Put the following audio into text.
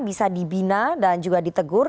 bisa dibina dan juga ditegur